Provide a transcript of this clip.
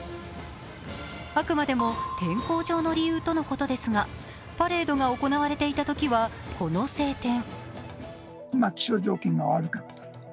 あくまでも天候上の理由とのことですが、パレードが行われていたときはこの晴天。